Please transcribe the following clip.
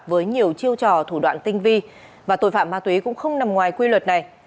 với nhiều chiêu trò thủ đoạn tinh vi và tội phạm ma túy cũng không nằm ngoài quy luật này